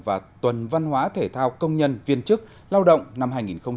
và tuần văn hóa thể thao công nhân viên chức lao động năm hai nghìn một mươi chín